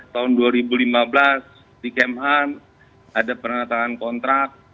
tahun dua ribu lima belas di kemhan ada penatangan kontrak